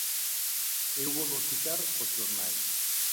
Eu volvo citar os xornais.